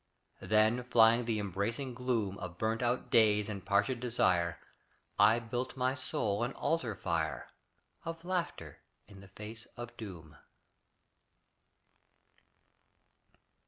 Then flying the embracing gloom Of burnt out days and parched desire, I built my soul an altar fire Of laughter in the face of doom.